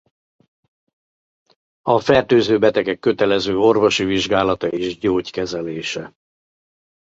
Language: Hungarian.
A fertőző betegek kötelező orvosi vizsgálata és gyógykezelése.